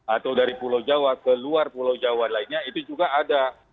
atau dari pulau jawa ke luar pulau jawa lainnya itu juga ada